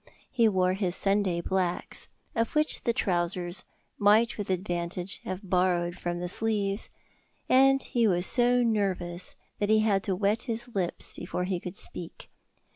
He wore his Sunday blacks, of which the trousers might with advantage have borrowed from the sleeves; and he was so nervous that he had to wet his lips before he could speak.